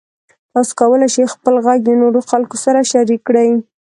تاسو کولی شئ خپل غږ د نورو خلکو سره شریک کړئ.